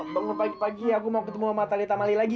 tunggu pagi pagi aku mau ketemu sama talitha mali lagi